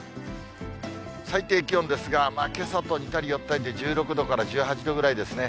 最低気温ですが、けさと似たり寄ったりで１６度から１８度ぐらいですね。